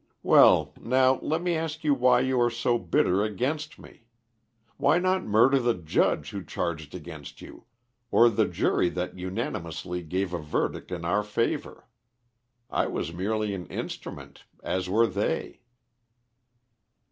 Well, now let me ask why you are so bitter against me? Why not murder the judge who charged against you, or the jury that unanimously gave a verdict in our favour? I was merely an instrument, as were they."